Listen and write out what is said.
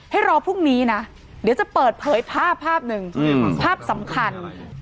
ให้รอพรุ่งนี้นะเดี๋ยวจะเปิดเผยภาพภาพหนึ่งภาพสำคัญ